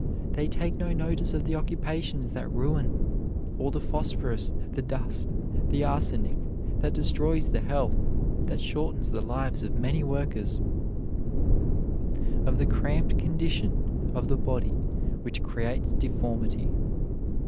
They take no notice of the occupations that ruin, or the phosphorus, the dust, the arsenic that destroys the health, that shortens the lives of many workers; of the cramped condition of the body which creates deformity.